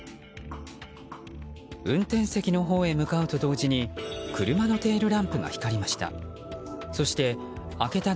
運転席のほうへ向かうと同時に車のテールランプが光りました。